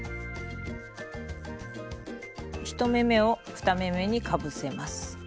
１目めを２目めにかぶせます。